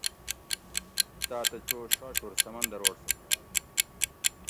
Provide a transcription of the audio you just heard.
تاتہ چو شاشور سمندروٹ سہ جار ہی